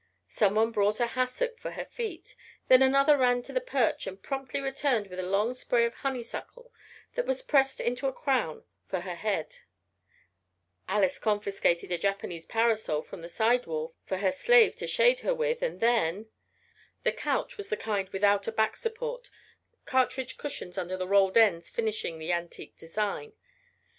Someone brought a hassock for her feet, then another ran to the porch and promptly returned with a long spray of honeysuckle that was pressed into a crown for her head; Alice confiscated a Japanese parasol from the side wall for her "slave" to shade her with and then The couch was the kind without a back support, cartridge cushions under the rolled ends finishing the antique design.